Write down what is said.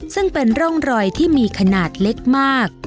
ซึ่งเป็นร่องรอยที่มีขนาดเล็กมาก